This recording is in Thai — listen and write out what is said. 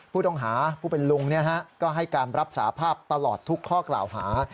ผู้ต้องหาผู้เป็นลุงก็ให้การรับสาภาพตลอดทุกข้อกล่าวหา